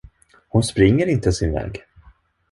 Hon springer inte sin väg!